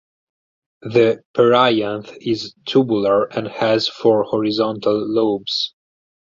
The perianth is tubular and has four horizontal lobes.